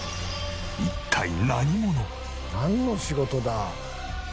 「なんの仕事だ？」